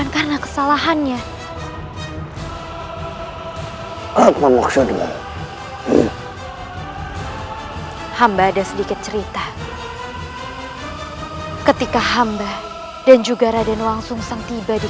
kau akan berhenti